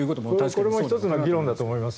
これも１つの議論だと思います。